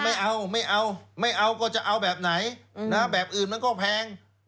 ไม่เอาไม่เอาไม่เอาก็จะเอาแบบไหนแบบอื่นมันก็แพง